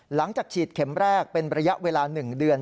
หลังจากฉีดเข็มแรกเป็นระยะเวลา๑เดือน